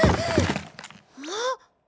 あっ！